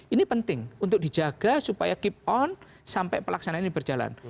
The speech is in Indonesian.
ini penting untuk dijaga supaya keep on sampai pelaksanaan ini berjalan